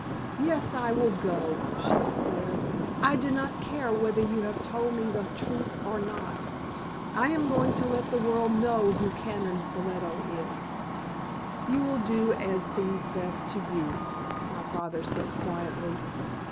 "Yes, I will go," she declared. "I do not care whether you have told me the truth or not. I am going to let the world know who Canon Ffolliot is." "You will do as seems best to you," my father said, quietly.